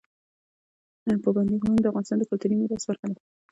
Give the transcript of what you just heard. پابندی غرونه د افغانستان د کلتوري میراث برخه ده.